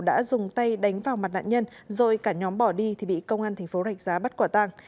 đã dùng tay đánh vào mặt nạn nhân rồi cả nhóm bỏ đi thì bị công an thành phố rạch giá bắt quả tăng